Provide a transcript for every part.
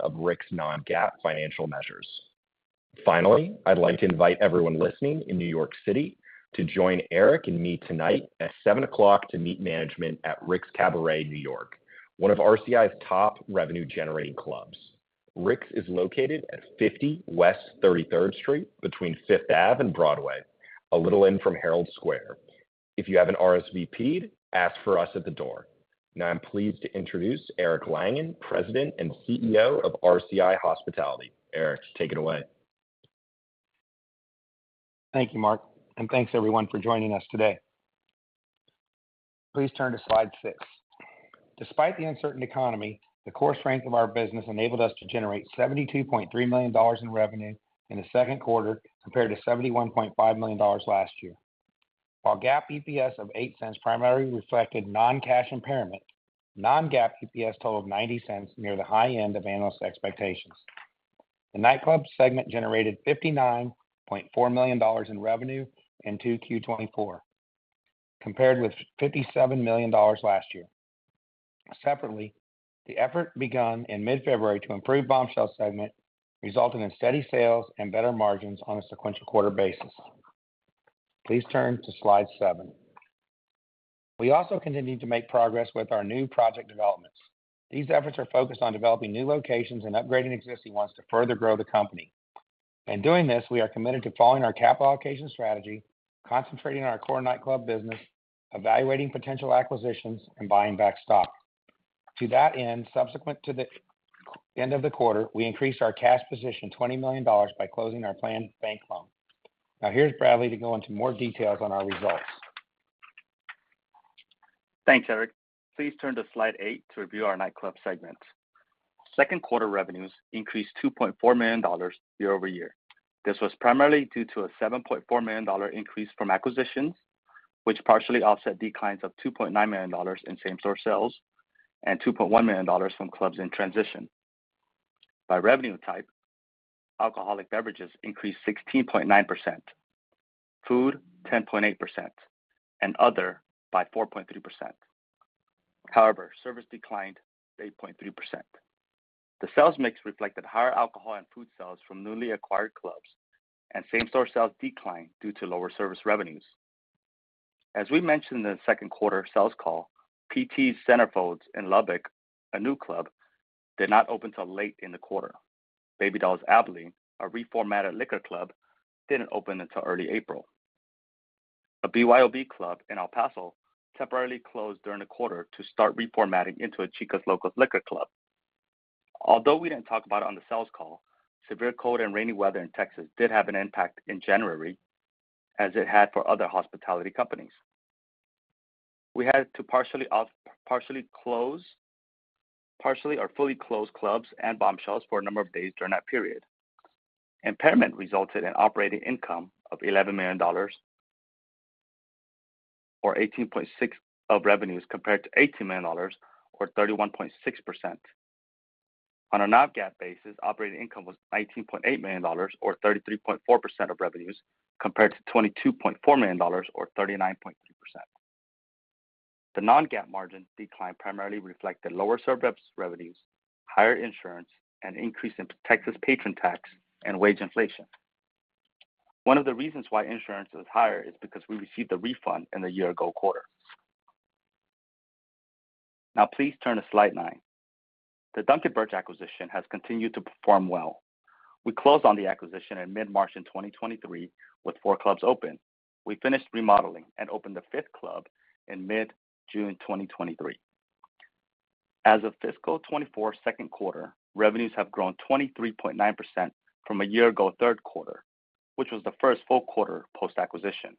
Of Rick's non-GAAP financial measures. Finally, I'd like to invite everyone listening in New York City to join Eric and me tonight at 7:00 P.M. to meet management at Rick's Cabaret New York, one of RCI's top revenue-generating clubs. Rick's is located at 50 West 33rd Street between 5th Ave and Broadway, a little in from Herald Square. If you haven't RSVP'ed, ask for us at the door. Now I'm pleased to introduce Eric Langan, President and CEO of RCI Hospitality. Eric, take it away. Thank you, Mark, and thanks everyone for joining us today. Please turn to slide 6. Despite the uncertain economy, the core range of our business enabled us to generate $72.3 million in revenue in the Q2 compared to $71.5 million last year. While GAAP EPS of $0.08 primarily reflected non-cash impairment, non-GAAP EPS totaled $0.90 near the high end of analyst expectations. The nightclub segment generated $59.4 million in revenue in 2Q2024, compared with $57 million last year. Separately, the effort begun in mid-February to improve Bombshells segment resulted in steady sales and better margins on a sequential quarter basis. Please turn to slide 7. We also continue to make progress with our new project developments. These efforts are focused on developing new locations and upgrading existing ones to further grow the company. In doing this, we are committed to following our capital allocation strategy, concentrating on our core nightclub business, evaluating potential acquisitions, and buying back stock. To that end, subsequent to the end of the quarter, we increased our cash position $20 million by closing our planned bank loan. Now here's Bradley to go into more details on our results. Thanks, Eric. Please turn to slide 8 to review our nightclub segment. Q2 revenues increased $2.4 million year-over-year. This was primarily due to a $7.4 million increase from acquisitions, which partially offset declines of $2.9 million in same-store sales and $2.1 million from clubs in transition. By revenue type, alcoholic beverages increased 16.9%, food 10.8%, and other by 4.3%. However, service declined 8.3%. The sales mix reflected higher alcohol and food sales from newly acquired clubs, and same-store sales declined due to lower service revenues. As we mentioned in the Q2 sales call, PT's Centerfolds in Lubbock, a new club, did not open till late in the quarter. Baby Dolls Abilene, a reformatted liquor club, didn't open until early April. A BYOB club in El Paso temporarily closed during the quarter to start reformatting into a Chicas Locas liquor club. Although we didn't talk about it on the sales call, severe cold and rainy weather in Texas did have an impact in January, as it had for other hospitality companies. We had to partially close or fully close clubs and Bombshells for a number of days during that period. Impairment resulted in operating income of $11 million or $18.6% of revenues compared to $18 million or 31.6%. On a Non-GAAP basis, operating income was $19.8 million or 33.4% of revenues compared to $22.4 million or 39.3%. The Non-GAAP margin decline primarily reflected lower service revenues, higher insurance, an increase in Texas patron tax, and wage inflation. One of the reasons why insurance is higher is because we received a refund in the year-ago quarter. Now please turn to slide 9. The Duncan Burch acquisition has continued to perform well. We closed on the acquisition in mid-March in 2023 with 4 clubs open. We finished remodeling and opened the fifth club in mid-June 2023. As of fiscal 2024 Q2, revenues have grown 23.9% from a year-ago Q3, which was the first full quarter post-acquisition.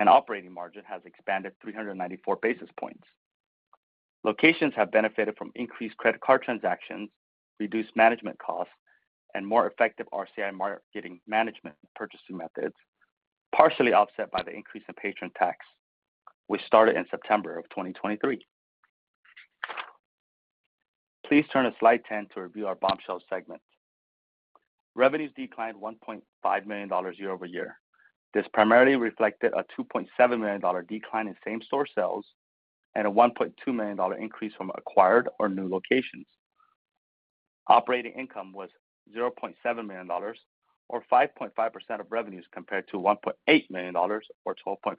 An operating margin has expanded 394 basis points. Locations have benefited from increased credit card transactions, reduced management costs, and more effective RCI marketing management purchasing methods, partially offset by the increase in patron tax, which started in September of 2023. Please turn to slide 10 to review our Bombshells segment. Revenues declined $1.5 million year-over-year. This primarily reflected a $2.7 million decline in same-store sales and a $1.2 million increase from acquired or new locations. Operating income was $0.7 million or 5.5% of revenues compared to $1.8 million or 12.4%.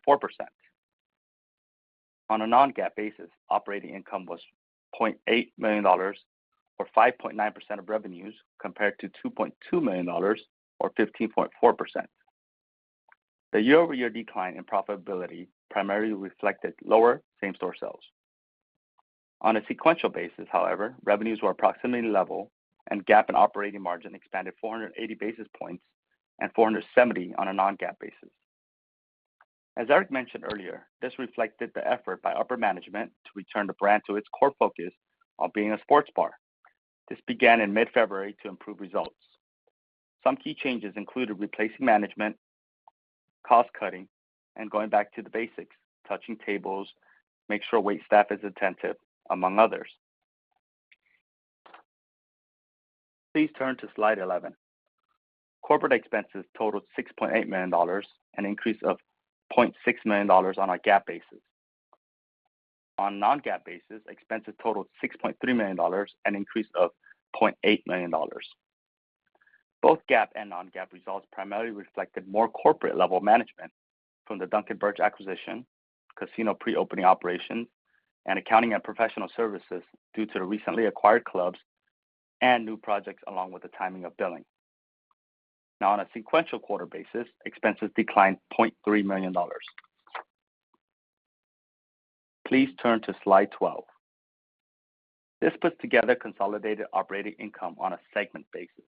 On a non-GAAP basis, operating income was $0.8 million or 5.9% of revenues compared to $2.2 million or 15.4%. The year-over-year decline in profitability primarily reflected lower same-store sales. On a sequential basis, however, revenues were approximately level, and GAAP and operating margin expanded 480 basis points and 470 on a non-GAAP basis. As Eric mentioned earlier, this reflected the effort by upper management to return the brand to its core focus of being a sports bar. This began in mid-February to improve results. Some key changes included replacing management, cost-cutting, and going back to the basics, touching tables, make sure wait staff is attentive, among others. Please turn to slide 11. Corporate expenses totaled $6.8 million, an increase of $0.6 million on a GAAP basis. On a non-GAAP basis, expenses totaled $6.3 million, an increase of $0.8 million. Both GAAP and non-GAAP results primarily reflected more corporate-level management from the Duncan Burch acquisition, casino pre-opening operations, and accounting and professional services due to the recently acquired clubs and new projects along with the timing of billing. Now on a sequential quarter basis, expenses declined $0.3 million. Please turn to slide 12. This puts together consolidated operating income on a segment basis.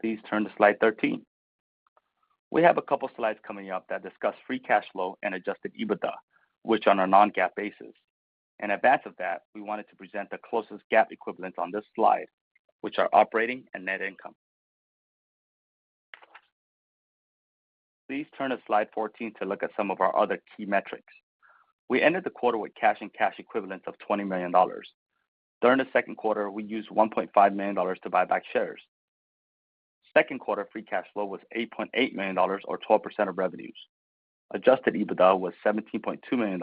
Please turn to slide 13. We have a couple of slides coming up that discuss free cash flow and adjusted EBITDA, which on a non-GAAP basis. In advance of that, we wanted to present the closest GAAP equivalents on this slide, which are operating and net income. Please turn to slide 14 to look at some of our other key metrics. We ended the quarter with cash and cash equivalents of $20 million. During the Q2, we used $1.5 million to buy back shares. Q2 free cash flow was $8.8 million or 12% of revenues. Adjusted EBITDA was $17.2 million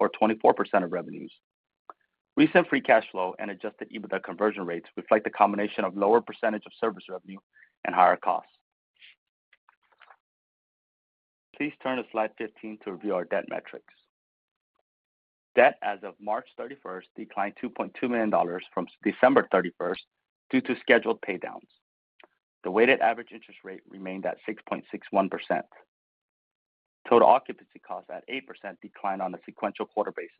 or 24% of revenues. Recent free cash flow and adjusted EBITDA conversion rates reflect a combination of lower percentage of service revenue and higher costs. Please turn to slide 15 to review our debt metrics. Debt as of March 31st declined $2.2 million from December 31st due to scheduled paydowns. The weighted average interest rate remained at 6.61%. Total occupancy costs at 8% declined on a sequential quarter basis.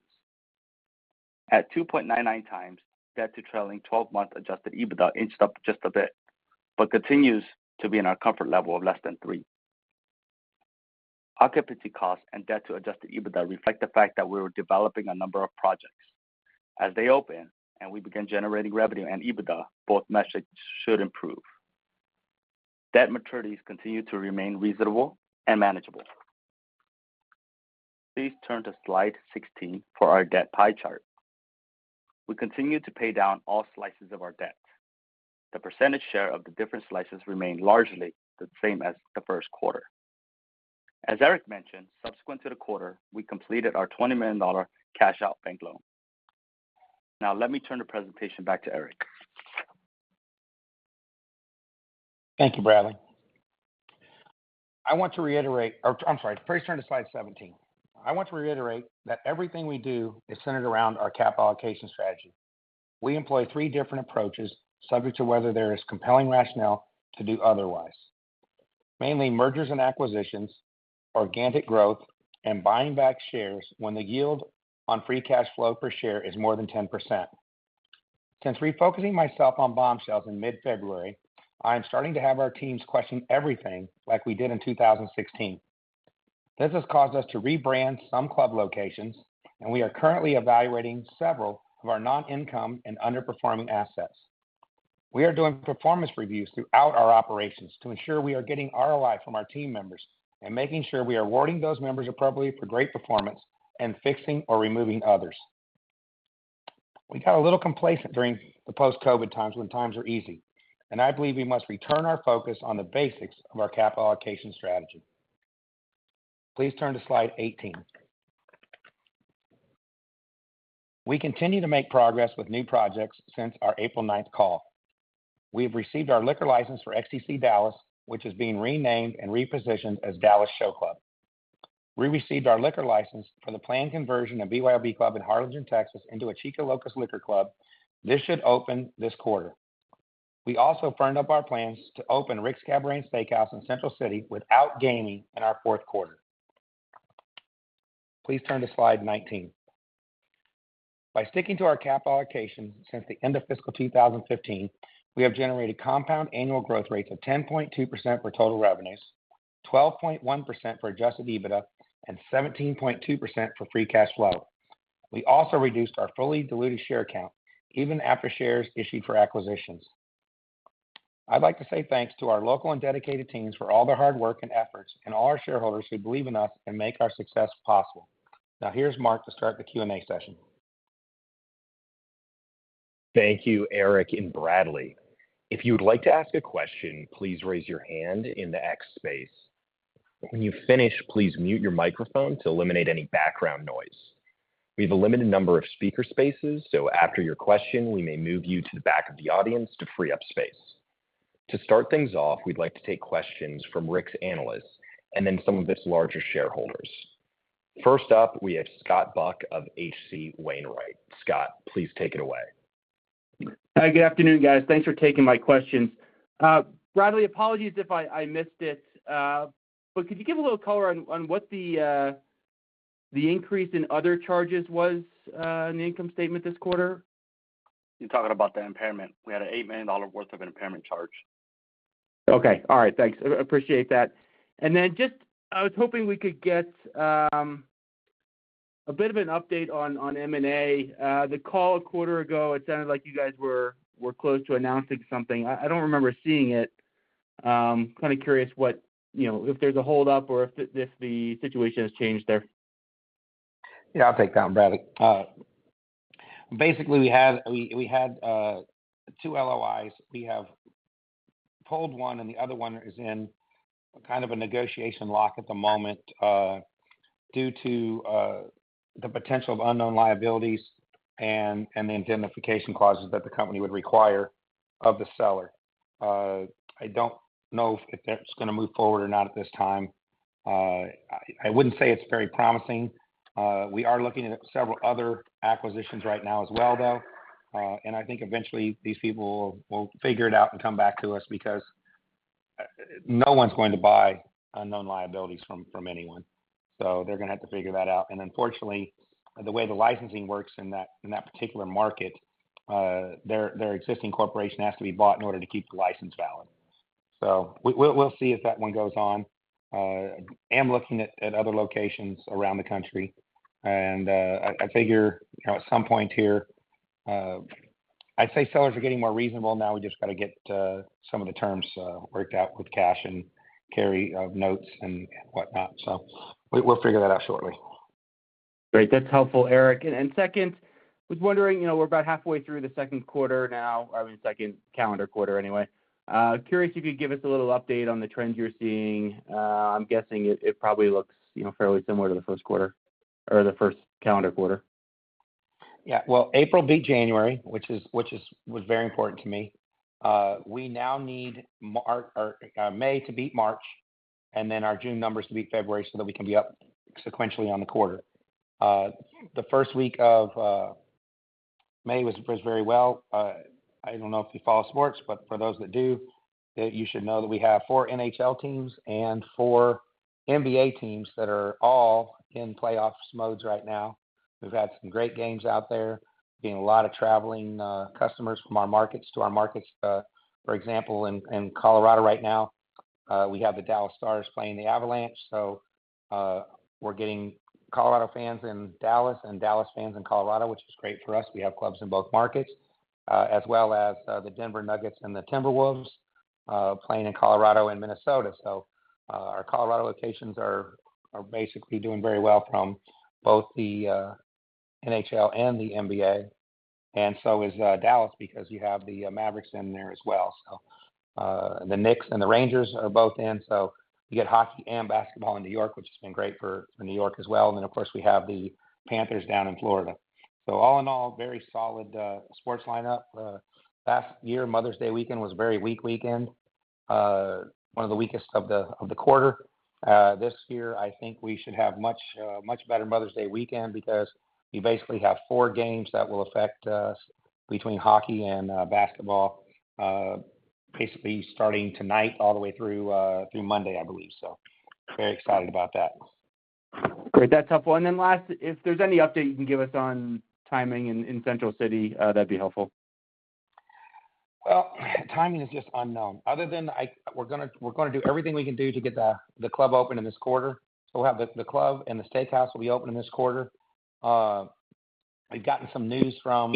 At 2.99 times, debt to trailing 12-month adjusted EBITDA inched up just a bit but continues to be in our comfort level of less than 3. Occupancy costs and debt to adjusted EBITDA reflect the fact that we were developing a number of projects. As they open and we begin generating revenue and EBITDA, both metrics should improve. Debt maturities continue to remain reasonable and manageable. Please turn to slide 16 for our debt pie chart. We continue to pay down all slices of our debt. The percentage share of the different slices remained largely the same as the Q1. As Eric mentioned, subsequent to the quarter, we completed our $20 million cash-out bank loan. Now let me turn the presentation back to Eric. Thank you, Bradley. I want to reiterate or I'm sorry, please turn to slide 17. I want to reiterate that everything we do is centered around our capital allocation strategy. We employ three different approaches subject to whether there is compelling rationale to do otherwise, mainly mergers and acquisitions, organic growth, and buying back shares when the yield on Free Cash Flow per share is more than 10%. Since refocusing myself on Bombshells in mid-February, I am starting to have our teams question everything like we did in 2016. This has caused us to rebrand some club locations, and we are currently evaluating several of our non-income and underperforming assets. We are doing performance reviews throughout our operations to ensure we are getting ROI from our team members and making sure we are rewarding those members appropriately for great performance and fixing or removing others. We got a little complacent during the post-COVID times when times were easy, and I believe we must return our focus on the basics of our capital allocation strategy. Please turn to slide 18. We continue to make progress with new projects since our April 9th call. We have received our liquor license for XTC Dallas, which is being renamed and repositioned as Dallas Show Club. We received our liquor license for the planned conversion of BYOB Club in Harlingen, Texas, into a Chicas Locas liquor club. This should open this quarter. We also firmed up our plans to open Rick's Cabaret and Steakhouse in Central City without gaming in our Q4. Please turn to slide 19. By sticking to our capital allocations since the end of fiscal 2015, we have generated compound annual growth rates of 10.2% for total revenues, 12.1% for Adjusted EBITDA, and 17.2% for Free Cash Flow. We also reduced our fully diluted share count even after shares issued for acquisitions. I'd like to say thanks to our local and dedicated teams for all the hard work and efforts, and all our shareholders who believe in us and make our success possible. Now here's Mark to start the Q&A session. Thank you, Eric and Bradley. If you would like to ask a question, please raise your hand in the X Space. When you finish, please mute your microphone to eliminate any background noise. We have a limited number of speaker spaces, so after your question, we may move you to the back of the audience to free up space. To start things off, we'd like to take questions from Rick's analysts and then some of its larger shareholders. First up, we have Scott Buck of H.C. Wainwright. Scott, please take it away. Good afternoon, guys. Thanks for taking my questions. Bradley, apologies if I missed it, but could you give a little color on what the increase in other charges was in the income statement this quarter? You're talking about the impairment. We had an $8 million worth of an impairment charge. Okay. All right. Thanks. Appreciate that. And then just I was hoping we could get a bit of an update on M&A. The call a quarter ago, it sounded like you guys were close to announcing something. I don't remember seeing it. Kind of curious if there's a holdup or if the situation has changed there? Yeah, I'll take that one, Bradley. Basically, we had two LOIs. We have pulled one, and the other one is in kind of a negotiation lock at the moment due to the potential of unknown liabilities and the indemnification clauses that the company would require of the seller. I don't know if it's going to move forward or not at this time. I wouldn't say it's very promising. We are looking at several other acquisitions right now as well, though. And I think eventually these people will figure it out and come back to us because no one's going to buy unknown liabilities from anyone. So they're going to have to figure that out. And unfortunately, the way the licensing works in that particular market, their existing corporation has to be bought in order to keep the license valid. So we'll see as that one goes on. I am looking at other locations around the country, and I figure at some point here I'd say sellers are getting more reasonable now. We just got to get some of the terms worked out with cash and carry of notes and whatnot. So we'll figure that out shortly. Great. That's helpful, Eric. And second, I was wondering, we're about halfway through the Q2 now, I mean, second calendar quarter anyway. Curious if you could give us a little update on the trends you're seeing. I'm guessing it probably looks fairly similar to the Q1 or the first calendar quarter. Yeah. Well, April beat January, which was very important to me. We now need May to beat March and then our June numbers to beat February so that we can be up sequentially on the quarter. The first week of May was very well. I don't know if you follow sports, but for those that do, you should know that we have four NHL teams and four NBA teams that are all in playoff modes right now. We've had some great games out there, getting a lot of traveling customers from our markets to our markets. For example, in Colorado right now, we have the Dallas Stars playing the Avalanche. So we're getting Colorado fans in Dallas and Dallas fans in Colorado, which is great for us. We have clubs in both markets, as well as the Denver Nuggets and the Timberwolves playing in Colorado and Minnesota. So our Colorado locations are basically doing very well from both the NHL and the NBA. And so is Dallas because you have the Mavericks in there as well. So the Knicks and the Rangers are both in. So you get hockey and basketball in New York, which has been great for New York as well. And then, of course, we have the Panthers down in Florida. So all in all, very solid sports lineup. Last year, Mother's Day weekend was a very weak weekend, one of the weakest of the quarter. This year, I think we should have a much better Mother's Day weekend because we basically have 4 games that will affect us between hockey and basketball, basically starting tonight all the way through Monday, I believe. So very excited about that. Great. That's helpful. Then last, if there's any update you can give us on timing in Central City, that'd be helpful. Well, timing is just unknown. Other than we're going to do everything we can do to get the club open in this quarter. So we'll have the club and the steakhouse will be open in this quarter. We've gotten some news from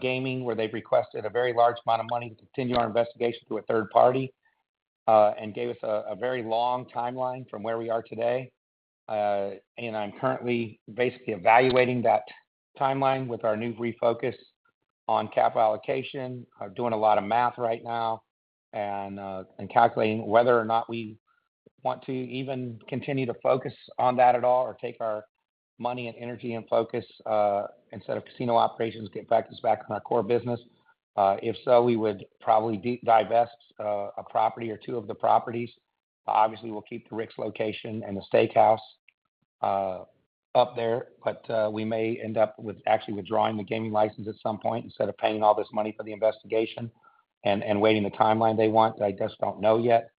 gaming where they've requested a very large amount of money to continue our investigation through a third party and gave us a very long timeline from where we are today. I'm currently basically evaluating that timeline with our new refocus on capital allocation, doing a lot of math right now, and calculating whether or not we want to even continue to focus on that at all or take our money and energy and focus instead of casino operations, get focused back on our core business. If so, we would probably divest a property or two of the properties. Obviously, we'll keep the Rick's location and the steakhouse up there, but we may end up actually withdrawing the gaming license at some point instead of paying all this money for the investigation and waiting the timeline they want. I just don't know yet.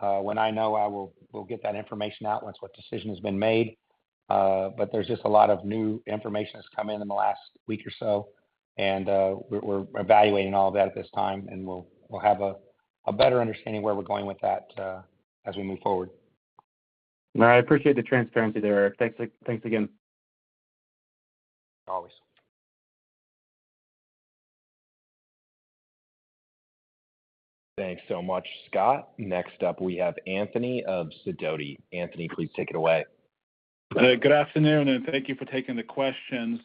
When I know, I will get that information out once what decision has been made. But there's just a lot of new information that's come in in the last week or so, and we're evaluating all of that at this time, and we'll have a better understanding where we're going with that as we move forward. All right. I appreciate the transparency there, Eric. Thanks again. Always. Thanks so much, Scott. Next up, we have Anthony of Sidoti. Anthony, please take it away. Good afternoon, and thank you for taking the questions.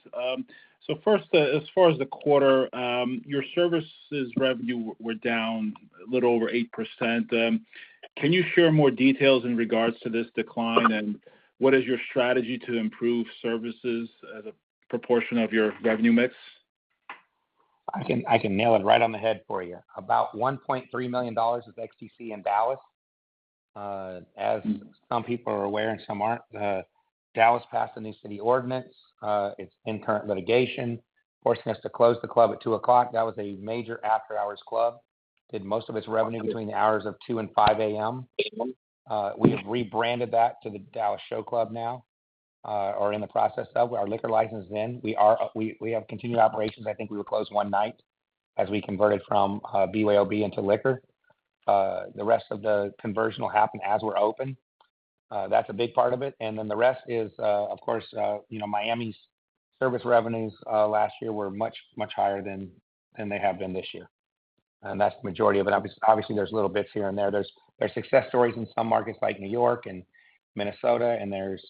First, as far as the quarter, your services revenue were down a little over 8%. Can you share more details in regards to this decline, and what is your strategy to improve services as a proportion of your revenue mix? I can nail it right on the head for you. About $1.3 million is XTC in Dallas. As some people are aware and some aren't, Dallas passed a new city ordinance. It's in current litigation, forcing us to close the club at 2:00 A.M. That was a major after-hours club, did most of its revenue between the hours of 2:00 A.M. and 5:00 A.M. We have rebranded that to the Dallas Show Club now or in the process of. Our liquor license is in. We have continued operations. I think we were closed one night as we converted from BYOB into liquor. The rest of the conversion will happen as we're open. That's a big part of it. And then the rest is, of course, Miami's service revenues last year were much, much higher than they have been this year. And that's the majority of it. Obviously, there's little bits here and there. There's success stories in some markets like New York and Minnesota, and there's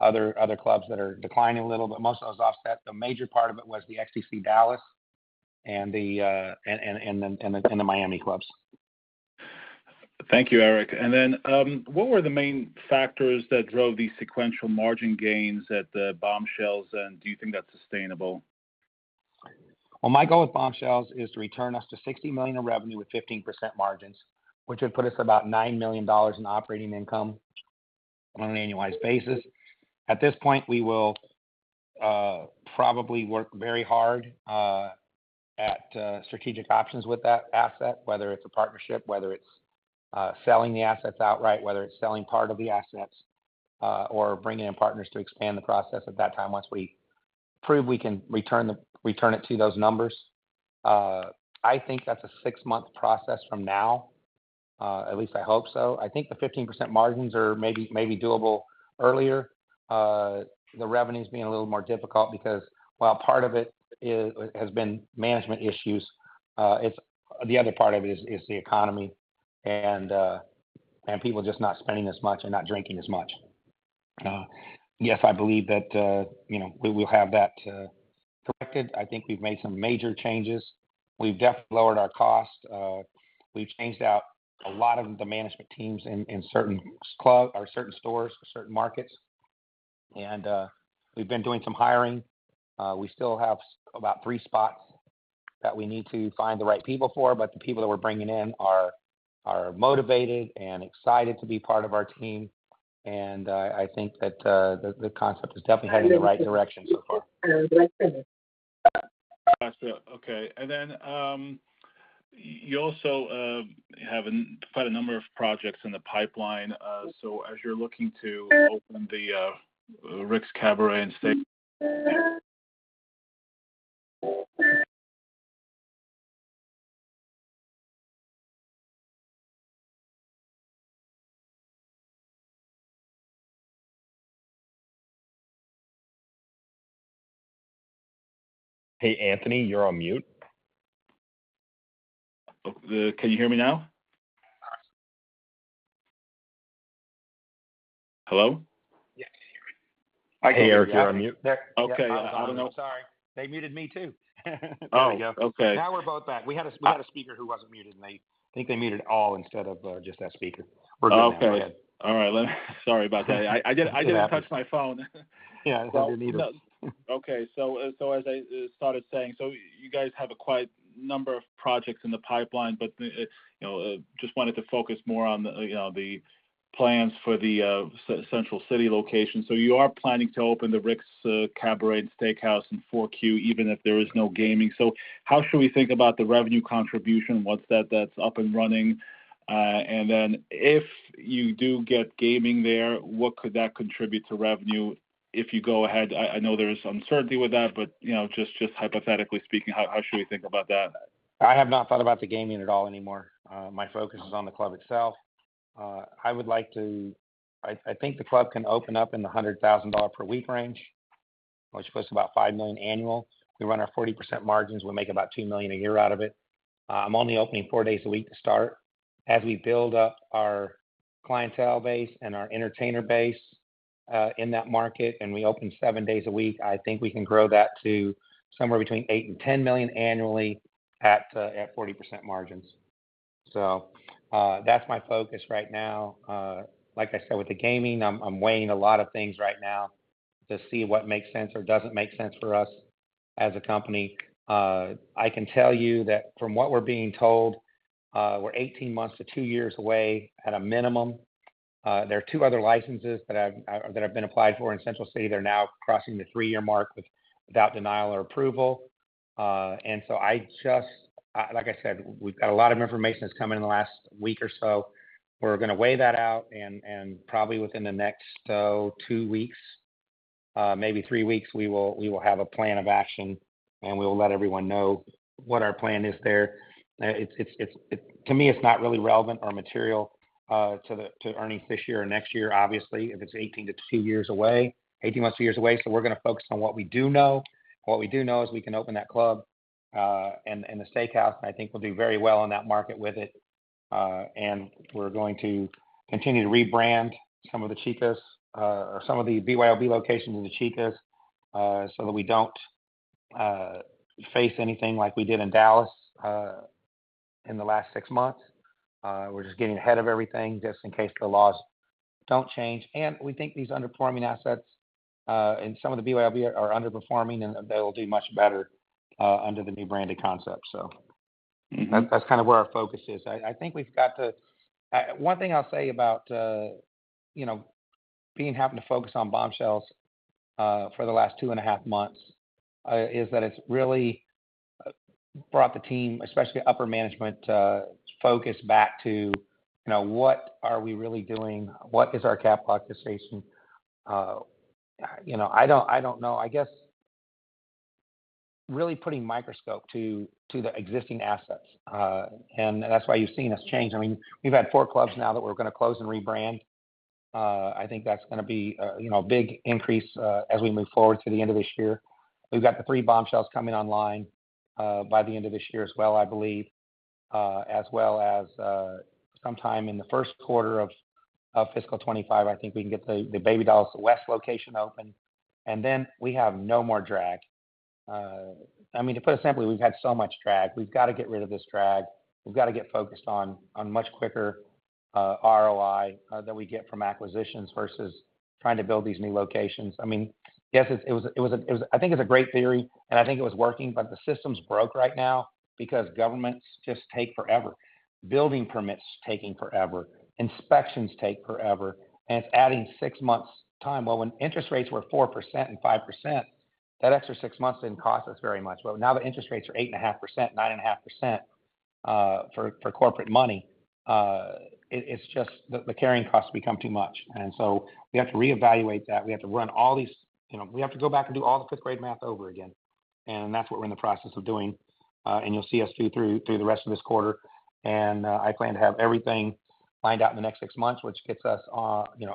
other clubs that are declining a little, but most of those offset. The major part of it was the XTC Dallas and the Miami clubs. Thank you, Eric. And then what were the main factors that drove these sequential margin gains at the Bombshells, and do you think that's sustainable? Well, my goal with Bombshells is to return us to $60 million in revenue with 15% margins, which would put us at about $9 million in operating income on an annualized basis. At this point, we will probably work very hard at strategic options with that asset, whether it's a partnership, whether it's selling the assets outright, whether it's selling part of the assets, or bringing in partners to expand the process at that time once we prove we can return it to those numbers. I think that's a six-month process from now. At least I hope so. I think the 15% margins are maybe doable earlier. The revenue is being a little more difficult because while part of it has been management issues, the other part of it is the economy and people just not spending as much and not drinking as much. Yes, I believe that we'll have that corrected. I think we've made some major changes. We've definitely lowered our cost. We've changed out a lot of the management teams in certain stores or certain markets. We've been doing some hiring. We still have about three spots that we need to find the right people for, but the people that we're bringing in are motivated and excited to be part of our team. I think that the concept is definitely heading in the right direction so far. Excellent. Okay. And then you also have quite a number of projects in the pipeline. So as you're looking to open the Rick's Cabaret and Steakhouse. Hey, Anthony, you're on mute. Can you hear me now? Hello? Yeah, I can hear you. Hey, Eric, you're on mute. Okay. I don't know. I'm sorry. They muted me too. There we go. Now we're both back. We had a speaker who wasn't muted, and I think they muted all instead of just that speaker. We're good now. Okay. All right. Sorry about that. I didn't touch my phone. Yeah, it's underneath us. Okay. So as I started saying, so you guys have quite a number of projects in the pipeline, but just wanted to focus more on the plans for the Central City location. So you are planning to open the Rick's Cabaret and Steakhouse in 4Q even if there is no gaming. So how should we think about the revenue contribution? What’s that when that’s up and running? And then if you do get gaming there, what could that contribute to revenue if you go ahead? I know there’s uncertainty with that, but just hypothetically speaking, how should we think about that? I have not thought about the gaming at all anymore. My focus is on the club itself. I would like to, I think, the club can open up in the $100,000 per week range, which puts about $5 million annual. We run our 40% margins. We make about $2 million a year out of it. I'm only opening four days a week to start. As we build up our clientele base and our entertainer base in that market and we open seven days a week, I think we can grow that to somewhere between $8 million and $10 million annually at 40% margins. So that's my focus right now. Like I said, with the gaming, I'm weighing a lot of things right now to see what makes sense or doesn't make sense for us as a company. I can tell you that from what we're being told, we're 18 months to 2 years away at a minimum. There are two other licenses that have been applied for in Central City. They're now crossing the 3-year mark without denial or approval. And so I just like I said, we've got a lot of information that's coming in the last week or so. We're going to weigh that out. And probably within the next 2 weeks, maybe 3 weeks, we will have a plan of action, and we will let everyone know what our plan is there. To me, it's not really relevant or material to earnings this year or next year, obviously, if it's 18 to 2 years away, 18 months to years away. So we're going to focus on what we do know. What we do know is we can open that club and the steakhouse, and I think we'll do very well in that market with it. And we're going to continue to rebrand some of the Chicas or some of the BYOB locations of the Chicas so that we don't face anything like we did in Dallas in the last 6 months. We're just getting ahead of everything just in case the laws don't change. And we think these underperforming assets and some of the BYOB are underperforming, and they'll do much better under the new branded concept. So that's kind of where our focus is. I think we've got to one thing I'll say about being happy to focus on Bombshells for the last 2.5 months is that it's really brought the team, especially upper management, focus back to what are we really doing? What is our capital allocation? I don't know. I guess really putting a microscope to the existing assets. And that's why you've seen us change. I mean, we've had four clubs now that we're going to close and rebrand. I think that's going to be a big increase as we move forward to the end of this year. We've got the three Bombshells coming online by the end of this year as well, I believe, as well as sometime in the Q1 of fiscal 2025, I think we can get the Baby Dolls West location open. And then we have no more drag. I mean, to put it simply, we've had so much drag. We've got to get rid of this drag. We've got to get focused on much quicker ROI that we get from acquisitions versus trying to build these new locations. I mean, yes, I think it was a great theory, and I think it was working, but the systems broke right now because governments just take forever. Building permits taking forever. Inspections take forever. And it's adding six months' time. Well, when interest rates were 4% and 5%, that extra six months didn't cost us very much. Well, now that interest rates are 8.5% and 9.5% for corporate money, it's just the carrying costs become too much. And so we have to reevaluate that. We have to run all these. We have to go back and do all the fifth-grade math over again. And that's what we're in the process of doing. And you'll see us do through the rest of this quarter. And I plan to have everything lined out in the next six months, which gets us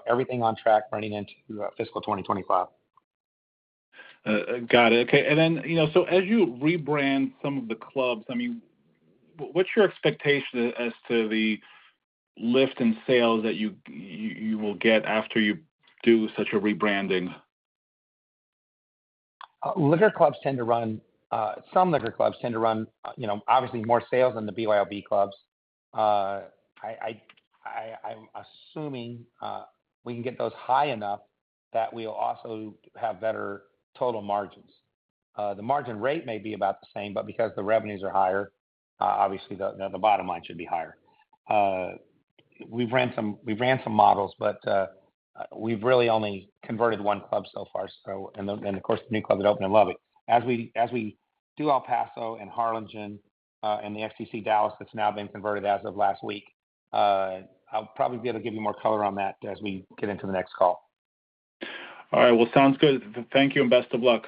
everything on track running into fiscal 2025. Got it. Okay. And then so as you rebrand some of the clubs, I mean, what's your expectation as to the lift in sales that you will get after you do such a rebranding? Liquor clubs tend to run, obviously, more sales than the BYOB clubs. I'm assuming we can get those high enough that we'll also have better total margins. The margin rate may be about the same, but because the revenues are higher, obviously, the bottom line should be higher. We've ran some models, but we've really only converted one club so far. Of course, the new club that opened in Lubbock. As we do El Paso and Harlingen and the XTC Dallas that's now been converted as of last week, I'll probably be able to give you more color on that as we get into the next call. All right. Well, sounds good. Thank you and best of luck.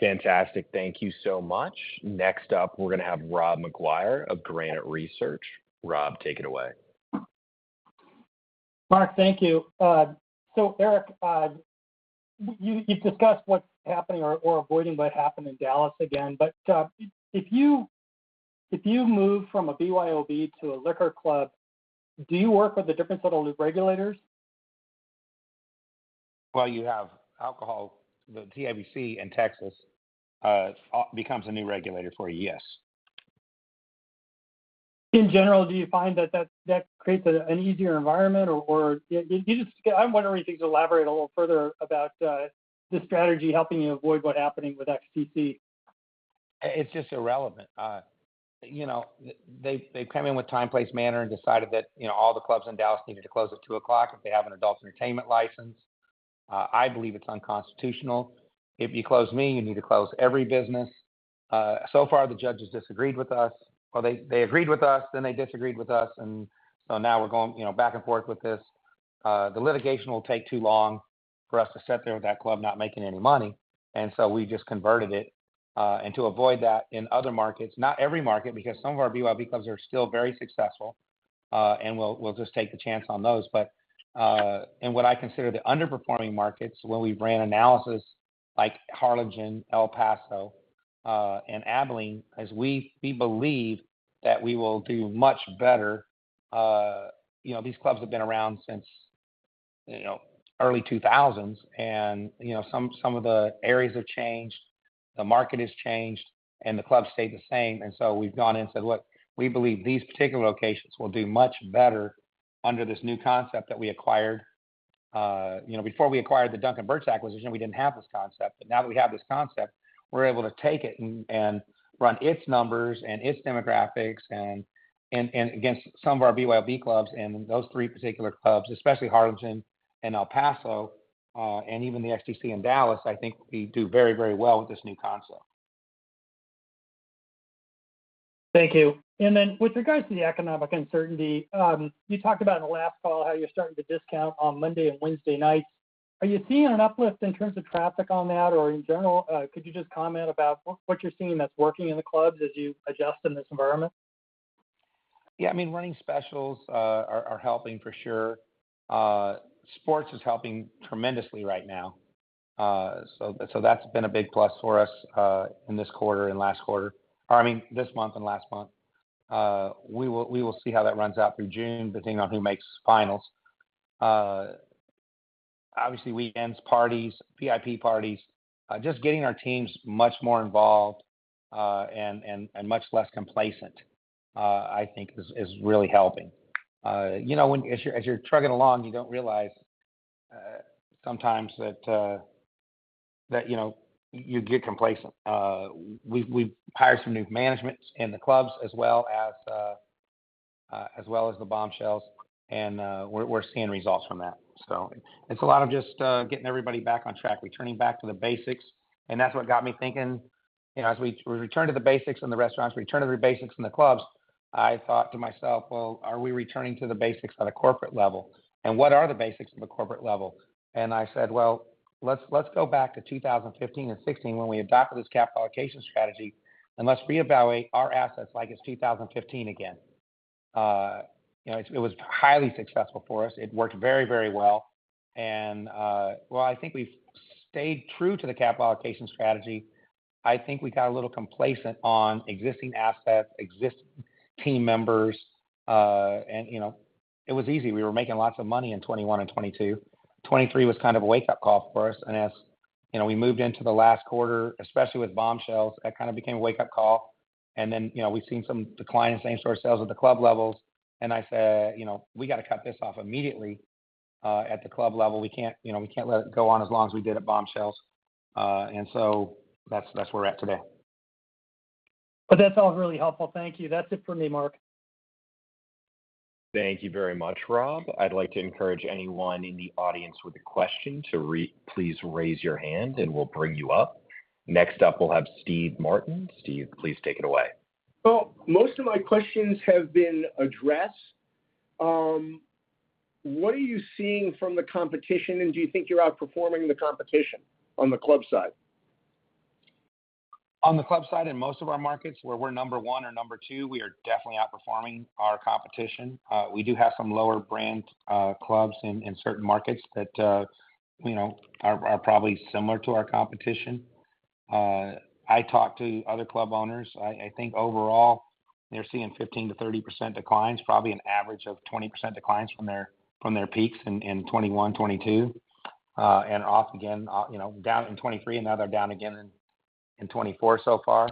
Fantastic. Thank you so much. Next up, we're going to have Rob McGuire of Granite Research. Rob, take it away. Mark, thank you. So Eric, you've discussed what's happening or avoiding what happened in Dallas again. But if you move from a BYOB to a liquor club, do you work with a different set of regulators? Well, you have alcohol. The TABC in Texas becomes a new regulator for you, yes. In general, do you find that that creates an easier environment? Or I'm wondering if you could elaborate a little further about the strategy helping you avoid what's happening with XTC. It's just irrelevant. They've come in with time, place, manner, and decided that all the clubs in Dallas needed to close at 2:00 A.M. if they have an adult entertainment license. I believe it's unconstitutional. If you close me, you need to close every business. So far, the judges disagreed with us. Well, they agreed with us, then they disagreed with us. And so now we're going back and forth with this. The litigation will take too long for us to sit there with that club not making any money. And so we just converted it. And to avoid that in other markets, not every market because some of our BYOB clubs are still very successful, and we'll just take the chance on those. But in what I consider the underperforming markets, when we ran analysis like Harlingen, El Paso, and Abilene, we believe that we will do much better. These clubs have been around since early 2000s, and some of the areas have changed. The market has changed, and the clubs stayed the same. And so we've gone in and said, "Look, we believe these particular locations will do much better under this new concept that we acquired." Before we acquired the Duncan Burch acquisition, we didn't have this concept. But now that we have this concept, we're able to take it and run its numbers and its demographics against some of our BYOB clubs. And those three particular clubs, especially Harlingen and El Paso and even the XTC in Dallas, I think we do very, very well with this new concept. Thank you. Then with regards to the economic uncertainty, you talked about in the last call how you're starting to discount on Monday and Wednesday nights. Are you seeing an uplift in terms of traffic on that or in general? Could you just comment about what you're seeing that's working in the clubs as you adjust in this environment? Yeah. I mean, running specials are helping for sure. Sports is helping tremendously right now. So that's been a big plus for us in this quarter and last quarter or I mean, this month and last month. We will see how that runs out through June, depending on who makes finals. Obviously, weekends, parties, VIP parties, just getting our teams much more involved and much less complacent, I think, is really helping. As you're trudging along, you don't realize sometimes that you get complacent. We've hired some new managements in the clubs as well as the Bombshells, and we're seeing results from that. So it's a lot of just getting everybody back on track, returning back to the basics. And that's what got me thinking. As we return to the basics in the restaurants, return to the basics in the clubs, I thought to myself, "Well, are we returning to the basics at a corporate level? And what are the basics of a corporate level?" And I said, "Well, let's go back to 2015 and 2016 when we adopted this capital allocation strategy, and let's reevaluate our assets like it's 2015 again." It was highly successful for us. It worked very, very well. And well, I think we've stayed true to the capital allocation strategy. I think we got a little complacent on existing assets, existing team members. And it was easy. We were making lots of money in 2021 and 2022. 2023 was kind of a wake-up call for us. And as we moved into the last quarter, especially with Bombshells, that kind of became a wake-up call. Then we've seen some decline in same-store sales at the club levels. I said, "We got to cut this off immediately at the club level. We can't let it go on as long as we did at Bombshells." So that's where we're at today. That's all really helpful. Thank you. That's it for me, Mark. Thank you very much, Rob. I'd like to encourage anyone in the audience with a question to please raise your hand, and we'll bring you up. Next up, we'll have Steve Martin. Steve, please take it away. Well, most of my questions have been addressed. What are you seeing from the competition, and do you think you're outperforming the competition on the club side? On the club side and most of our markets where we're number one or number two, we are definitely outperforming our competition. We do have some lower-brand clubs in certain markets that are probably similar to our competition. I talked to other club owners. I think overall, they're seeing 15%-30% declines, probably an average of 20% declines from their peaks in 2021, 2022, and off again down in 2023, and now they're down again in 2024 so far.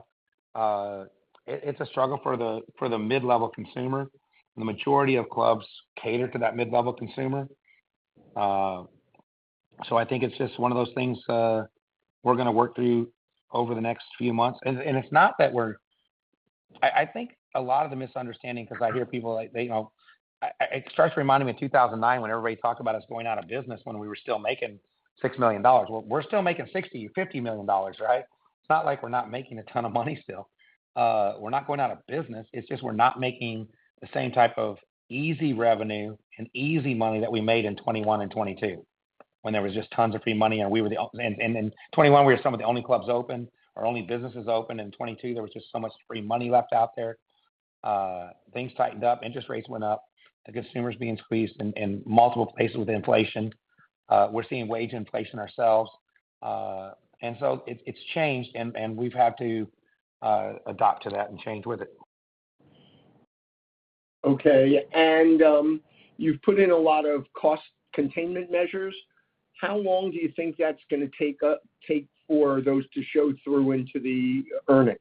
It's a struggle for the mid-level consumer. The majority of clubs cater to that mid-level consumer. So I think it's just one of those things we're going to work through over the next few months. It's not that we're, I think, a lot of the misunderstanding because I hear people. It starts reminding me of 2009 when everybody talked about us going out of business when we were still making $6 million. Well, we're still making $60-$50 million, right? It's not like we're not making a ton of money still. We're not going out of business. It's just we're not making the same type of easy revenue and easy money that we made in 2021 and 2022 when there was just tons of free money and we were the and in 2021, we were some of the only clubs open or only businesses open. In 2022, there was just so much free money left out there. Things tightened up. Interest rates went up. The consumer's being squeezed in multiple places with inflation. We're seeing wage inflation ourselves. And so it's changed, and we've had to adapt to that and change with it. Okay. You've put in a lot of cost containment measures. How long do you think that's going to take for those to show through into the earnings?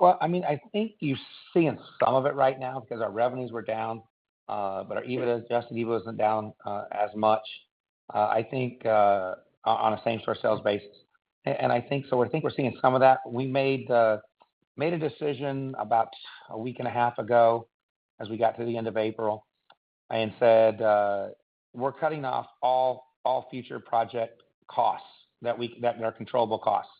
Well, I mean, I think you're seeing some of it right now because our revenues were down, but our Adjusted EBITDA wasn't down as much, I think, on a same-store sales basis. And so I think we're seeing some of that. We made a decision about a week and a half ago as we got to the end of April and said, "We're cutting off all future project costs that are controllable costs."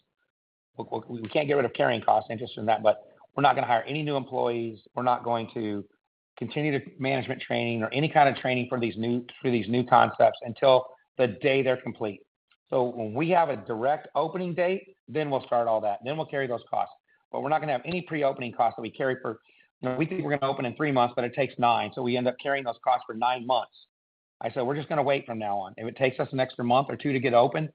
We can't get rid of carrying costs, interest in that, but we're not going to hire any new employees. We're not going to continue to management training or any kind of training through these new concepts until the day they're complete. So when we have a direct opening date, then we'll start all that. Then we'll carry those costs. But we're not going to have any pre-opening costs that we carry for we think we're going to open in 3 months, but it takes 9. So we end up carrying those costs for 9 months. I said, "We're just going to wait from now on. If it takes us an extra month or 2 to get open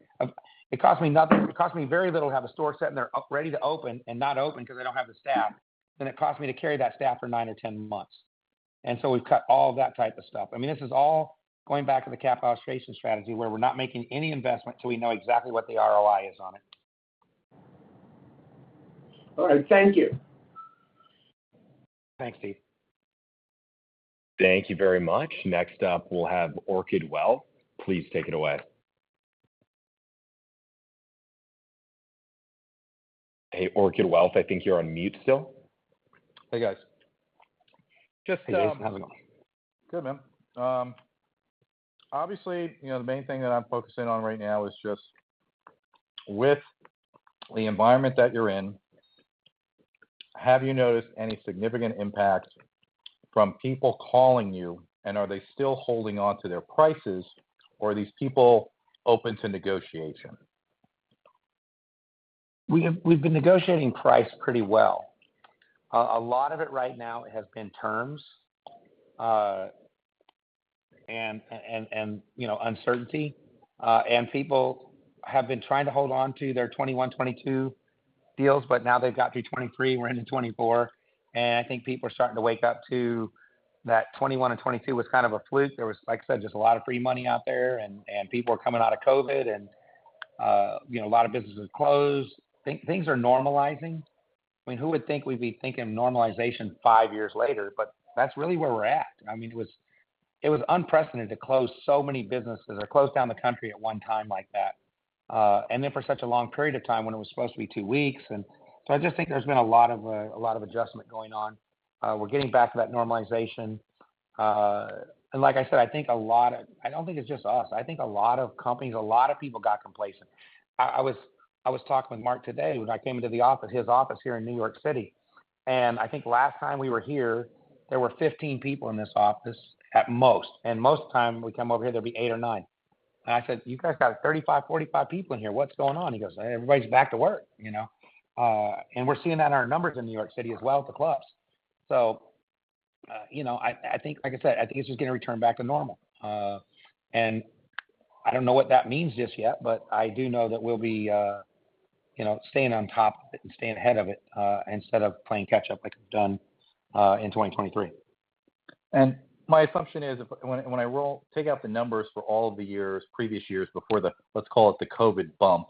it costs me nothing. It costs me very little to have a store sitting there ready to open and not open because they don't have the staff. Then it costs me to carry that staff for 9 or 10 months." And so we've cut all of that type of stuff. I mean, this is all going back to the capital allocation strategy where we're not making any investment till we know exactly what the ROI is on it. All right. Thank you. Thanks, Steve. Thank you very much. Next up, we'll have Orgel Wealth. Please take it away. Hey, Orgel Wealth, I think you're on mute still. Hey, guys. Just. Hey, Jason. How's it going? Good, man. Obviously, the main thing that I'm focusing on right now is just with the environment that you're in, have you noticed any significant impact from people calling you, and are they still holding on to their prices, or are these people open to negotiation? We've been negotiating price pretty well. A lot of it right now has been terms and uncertainty. People have been trying to hold on to their 2021, 2022 deals, but now they've got through 2023. We're into 2024. I think people are starting to wake up to that 2021 and 2022 was kind of a fluke. There was, like I said, just a lot of free money out there, and people were coming out of COVID, and a lot of businesses closed. Things are normalizing. I mean, who would think we'd be thinking normalization five years later? But that's really where we're at. I mean, it was unprecedented to close so many businesses or close down the country at one time like that and then for such a long period of time when it was supposed to be two weeks. And so I just think there's been a lot of adjustment going on. We're getting back to that normalization. And like I said, I think a lot of—I don't think it's just us. I think a lot of companies, a lot of people got complacent. I was talking with Mark today when I came into his office here in New York City. And I think last time we were here, there were 15 people in this office at most. And most of the time we come over here, there'll be 8 or 9. And I said, "You guys got 35, 45 people in here. What's going on?" He goes, "Everybody's back to work." And we're seeing that in our numbers in New York City as well at the clubs. So I think, like I said, I think it's just going to return back to normal. And I don't know what that means just yet, but I do know that we'll be staying on top and staying ahead of it instead of playing catch-up like we've done in 2023. And my assumption is when I take out the numbers for all of the previous years before the, let's call it, the COVID bump,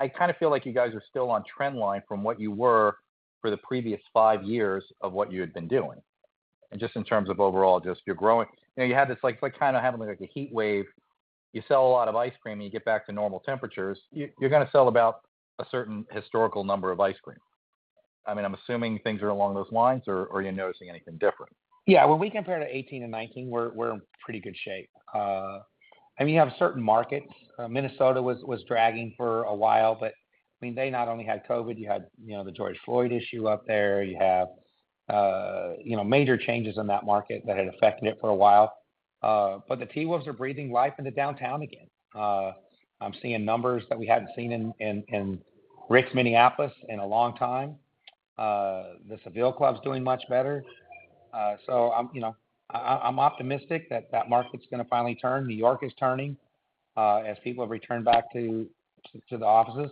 I kind of feel like you guys are still on trendline from what you were for the previous five years of what you had been doing. And just in terms of overall, just you're growing. You had this it's kind of happening like a heat wave. You sell a lot of ice cream, and you get back to normal temperatures. You're going to sell about a certain historical number of ice cream. I mean, I'm assuming things are along those lines, or are you noticing anything different? Yeah. When we compare to 2018 and 2019, we're in pretty good shape. I mean, you have certain markets. Minnesota was dragging for a while, but I mean, they not only had COVID, you had the George Floyd issue up there. You have major changes in that market that had affected it for a while. But the T-Wolves are breathing life into downtown again. I'm seeing numbers that we hadn't seen in Rick's, Minneapolis, in a long time. The Seville club's doing much better. So I'm optimistic that that market's going to finally turn. New York is turning as people have returned back to the offices.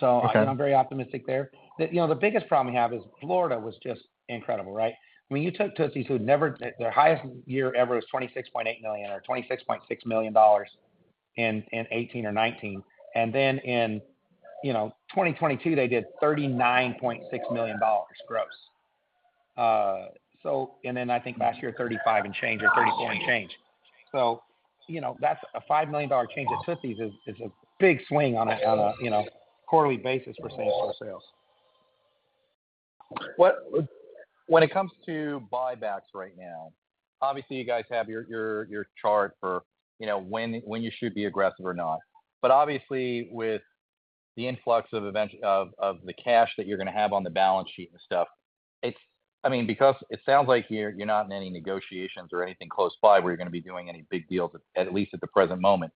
So I'm very optimistic there. The biggest problem we have is Florida was just incredible, right? I mean, you took Tootsie's who'd never their highest year ever was $26.8 million or $26.6 million in 2018 or 2019. And then in 2022, they did $39.6 million gross. And then I think last year, $35 million and change or $34 million and change. So that's a $5 million change at Tootsie's. It's a big swing on a quarterly basis for same-store sales. When it comes to buybacks right now, obviously, you guys have your chart for when you should be aggressive or not. But obviously, with the influx of the cash that you're going to have on the balance sheet and stuff, I mean, because it sounds like you're not in any negotiations or anything close by where you're going to be doing any big deals, at least at the present moment,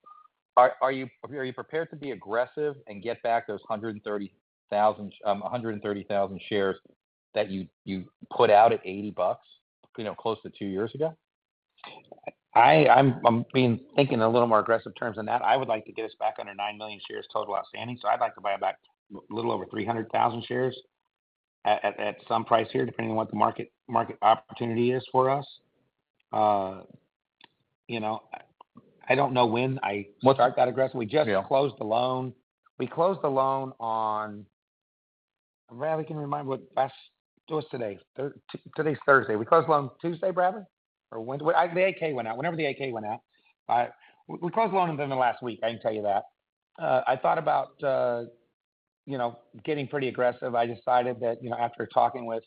are you prepared to be aggressive and get back those 130,000 shares that you put out at $80 close to two years ago? I've been thinking in a little more aggressive terms than that. I would like to get us back under nine million shares total outstanding. So I'd like to buy back a little over 300,000 shares at some price here, depending on what the market opportunity is for us. I don't know when I'll start that aggressively. We just closed the loan. We closed the loan on—I can't remember what—last Tuesday? Today's Thursday. We closed the loan Tuesday, Bradley, or when? The 8-K went out. Whenever the 8-K went out. We closed the loan within the last week. I can tell you that. I thought about getting pretty aggressive. I decided that after talking with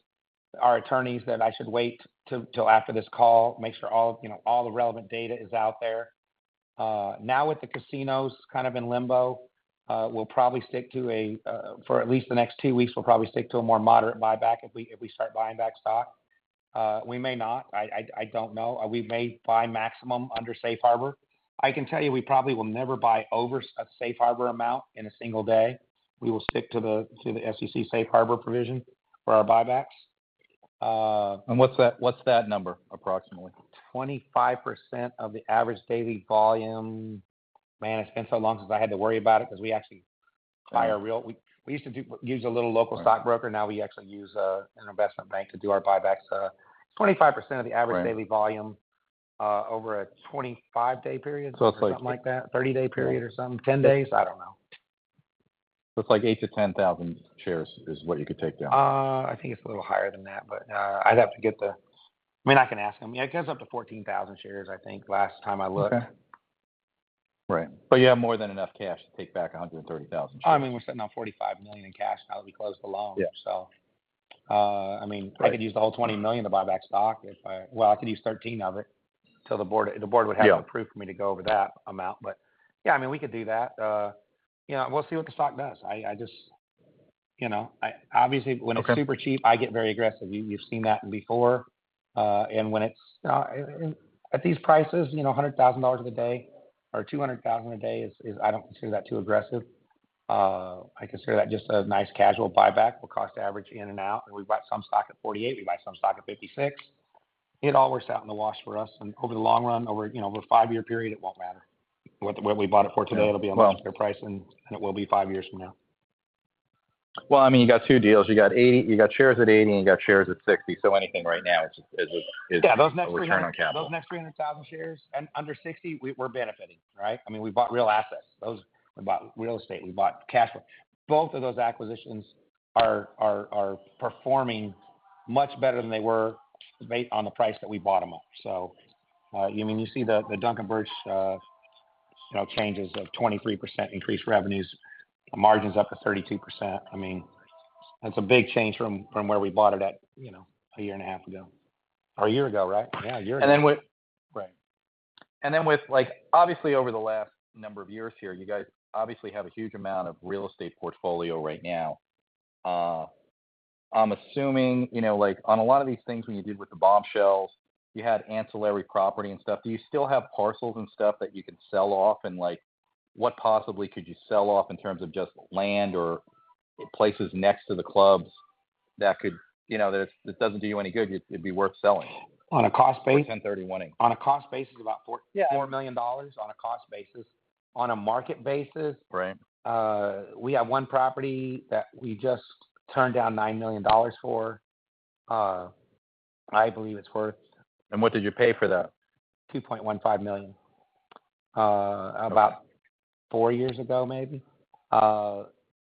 our attorneys, that I should wait till after this call, make sure all the relevant data is out there. Now with the casinos kind of in limbo, we'll probably stick to a $4 for at least the next two weeks. We'll probably stick to a more moderate buyback if we start buying back stock. We may not. I don't know. We may buy maximum under Safe Harbor. I can tell you we probably will never buy over a Safe Harbor amount in a single day. We will stick to the SEC Safe Harbor provision for our buybacks. What's that number, approximately? 25% of the average daily volume. Man, it's been so long since I had to worry about it because we actually hire real we used to use a little local stock broker. Now we actually use an investment bank to do our buybacks. 25% of the average daily volume over a 25-day period or something like that, 30-day period or something, 10 days. I don't know. It's like 8,000-10,000 shares is what you could take down? I think it's a little higher than that, but I'd have to, I mean, I can ask him. Yeah, it goes up to 14,000 shares, I think, last time I looked. Right. But you have more than enough cash to take back 130,000 shares. I mean, we're sitting on $45 million in cash now that we closed the loan, so. I mean, I could use the whole $20 million to buy back stock if I well, I could use $13 million of it till the board the board would have to approve for me to go over that amount. But yeah, I mean, we could do that. We'll see what the stock does. I just obviously, when it's super cheap, I get very aggressive. You've seen that before. And when it's at these prices, $100,000 a day or $200,000 a day, I don't consider that too aggressive. I consider that just a nice casual buyback. We'll cost average in and out. And we buy some stock at $48. We buy some stock at $56. It all works out in the wash for us. And over the long run, over a 5-year period, it won't matter. What we bought it for today, it'll be a much better price, and it will be five years from now. Well, I mean, you got two deals. You got shares at 80, and you got shares at 60. So anything right now is a return on capital. Yeah, those next 300. Those next 300,000 shares and under $60, we're benefiting, right? I mean, we bought real assets. We bought real estate. We bought cash flow. Both of those acquisitions are performing much better than they were on the price that we bought them at. So I mean, you see the Duncan Burch changes of 23% increased revenues, margins up to 32%. I mean, that's a big change from where we bought it at a year and a half ago or a year ago, right? Yeah, a year ago. And then with. Right. And then with obviously, over the last number of years here, you guys obviously have a huge amount of real estate portfolio right now. I'm assuming on a lot of these things when you did with the Bombshells, you had ancillary property and stuff. Do you still have parcels and stuff that you can sell off? And what possibly could you sell off in terms of just land or places next to the clubs that doesn't do you any good, it'd be worth selling? On a cost basis? On a 1030 winning. On a cost basis, about $4 million on a cost basis. On a market basis, we have one property that we just turned down $9 million for. I believe it's worth. What did you pay for that? $2.15 million. About four years ago, maybe.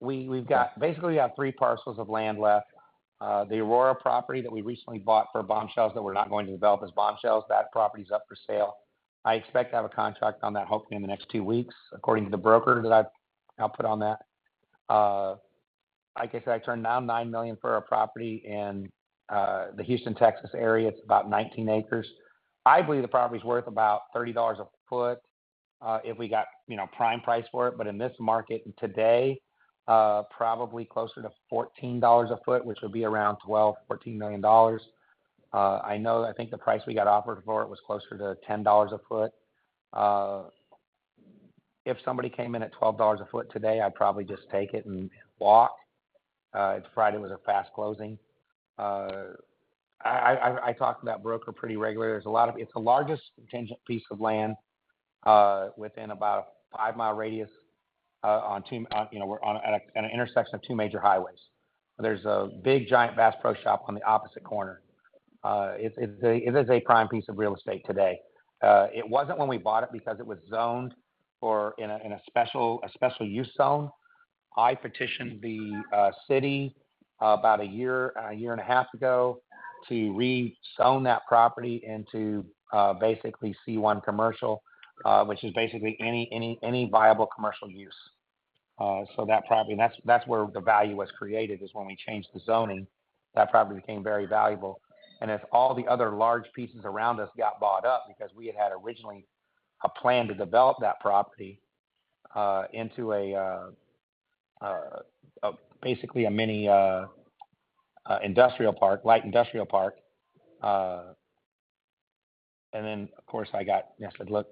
Basically, we have three parcels of land left. The Aurora property that we recently bought for Bombshells that we're not going to develop as Bombshells, that property's up for sale. I expect to have a contract on that, hopefully, in the next two weeks, according to the broker that I'll put on that. Like I said, I turned down $9 million for a property in the Houston, Texas area. It's about 19 acres. I believe the property's worth about $30 a foot if we got prime price for it. But in this market today, probably closer to $14 a foot, which would be around $12-$14 million. I think the price we got offered for it was closer to $10 a foot. If somebody came in at $12 a foot today, I'd probably just take it and walk. Friday was a fast closing. I talk to that broker pretty regularly. There's a lot of it. It's the largest contiguous piece of land within about a 5-mile radius. On two, we're at an intersection of two major highways. There's a big, giant Bass Pro Shops on the opposite corner. It is a prime piece of real estate today. It wasn't when we bought it because it was zoned in a special-use zone. I petitioned the city about a year, a year and a half ago to rezone that property into basically C1 commercial, which is basically any viable commercial use. So that property, and that's where the value was created, is when we changed the zoning. That property became very valuable. And as all the other large pieces around us got bought up because we had had originally a plan to develop that property into basically a mini industrial park, light industrial park. And then, of course, I said, "Look,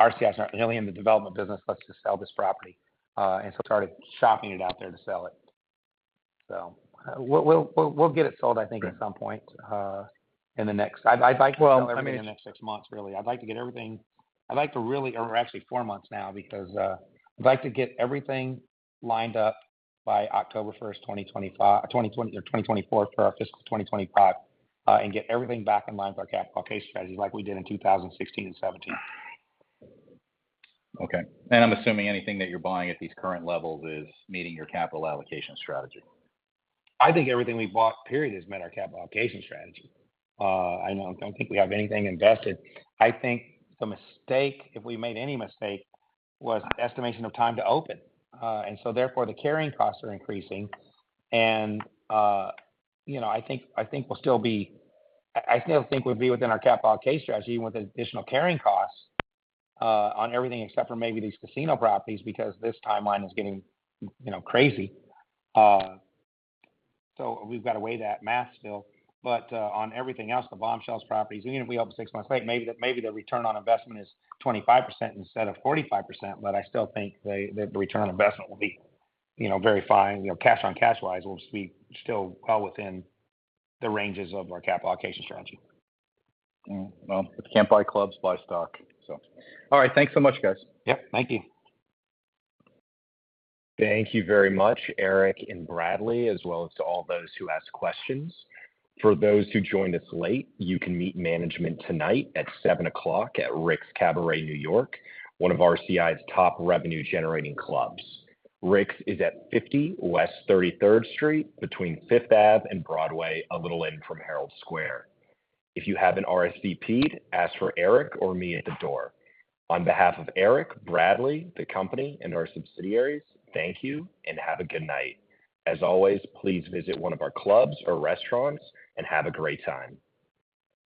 RCI's not really in the development business. Let's just sell this property." And so started shopping it out there to sell it. So we'll get it sold, I think, at some point in the next I'd like to. Well, I mean. In the next six months, really. Actually, four months now because I'd like to get everything lined up by October 1st, 2024, for our fiscal 2025 and get everything back in line with our capital allocation strategies like we did in 2016 and 2017. Okay. I'm assuming anything that you're buying at these current levels is meeting your capital allocation strategy. I think everything we bought, period, has met our capital allocation strategy. I don't think we have anything invested. I think the mistake, if we made any mistake, was estimation of time to open. And so therefore, the carrying costs are increasing. And I still think we'll be within our capital allocation strategy with additional carrying costs on everything except for maybe these casino properties because this timeline is getting crazy. So we've got to weigh that math still. But on everything else, the Bombshells properties, we open 6 months late. Maybe the return on investment is 25% instead of 45%, but I still think the return on investment will be very fine. Cash-on-cash-wise, we'll still be well within the ranges of our capital allocation strategy. Well, if you can't buy clubs, buy stock. So. All right. Thanks so much, guys. Yep. Thank you. Thank you very much, Eric and Bradley, as well as to all those who asked questions. For those who joined us late, you can meet management tonight at 7:00 P.M. at Rick's Cabaret New York, one of RCI's top revenue-generating clubs. Rick's is at 50 West 33rd Street between 5th Ave and Broadway, a little in from Herald Square. If you haven't RSVPed, ask for Eric or me at the door. On behalf of Eric, Bradley, the company, and our subsidiaries, thank you and have a good night. As always, please visit one of our clubs or restaurants and have a great time.